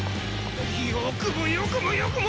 よくもよくもよくも！